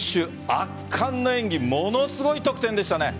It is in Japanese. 圧巻の演技ものすごい得点でしたね。